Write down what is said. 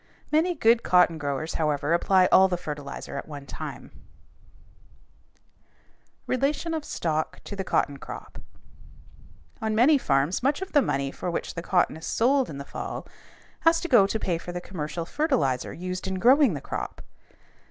Many good cotton growers, however, apply all the fertilizer at one time. [Illustration: FIG. 187. WEIGHING A DAY'S PICKING OF COTTON] Relation of Stock to the Cotton Crop. On many farms much of the money for which the cotton is sold in the fall has to go to pay for the commercial fertilizer used in growing the crop.